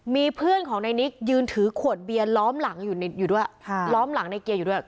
มีเพื่อนของในนิกยืนถือขวดเบียนล้อมหลังอยู่ด้วยล้อมหลังในเกียร์อยู่ด้วย